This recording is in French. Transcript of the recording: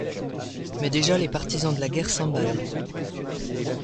Mais déjà les partisans de la guerre s'emballent.